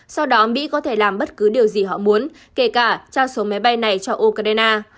sau đó mỹ có thể làm bất cứ điều gì họ muốn kể cả trao số máy bay này cho ukraine